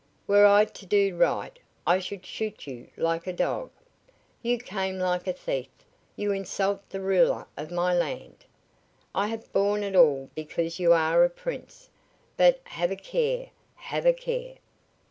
Were I to do right I should shoot you like a dog. You came like a thief, you insult the ruler of my land. I have borne it all because you are a Prince, but have a care have a care.